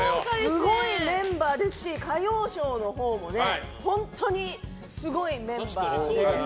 すごいメンバーですし歌謡ショーのほうも本当にすごいメンバーで。